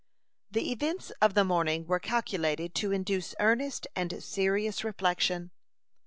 The events of the morning were calculated to induce earnest and serious reflection.